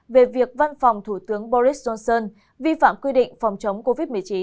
về việc văn phòng thủ tướng boris johnson vi phạm quy định phòng chống covid một mươi chín